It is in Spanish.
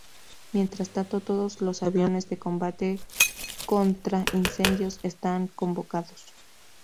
Mientras tanto, todos los aviones de combate contra incendios están convocados.